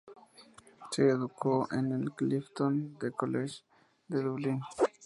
Se educó en el Clifton College de Dublín.